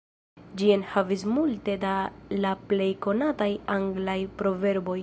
Ĝi enhavis multe da la plej konataj anglaj proverboj.